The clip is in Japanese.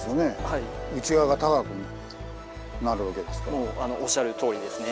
もうおっしゃるとおりですね。